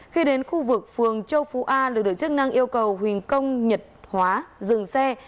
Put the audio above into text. khi đến khu vực phường châu phú a lực lượng chức năng yêu cầu huỳnh công nhật hóa dừng xe